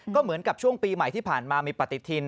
ก็เหมือนกับช่วงปีใหม่ที่ผ่านมามีปฏิทิน